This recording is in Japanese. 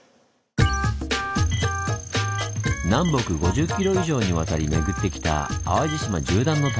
南北５０ｋｍ以上にわたり巡ってきた淡路島縦断の旅。